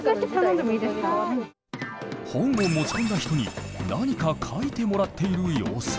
本を持ち込んだ人に何か書いてもらっている様子。